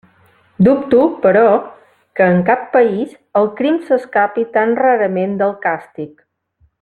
Dubto, però, que en cap país el crim s'escapi tan rarament del càstig.